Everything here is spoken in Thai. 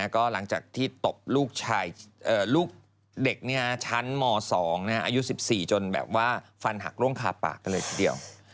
ก็หลังจากที่ตบลูกเด็กชั้นม๒อายุ๑๔จนแบบว่าฟันหักร่วงคาปากกันเลยทีเดียว